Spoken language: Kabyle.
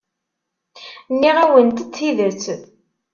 Nniɣ-awent-d tidet.